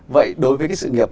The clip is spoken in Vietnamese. vậy đối với cái sự nghiệp